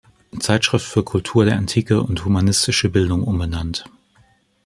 Zeitschrift für Kultur der Antike und humanistische Bildung" umbenannt.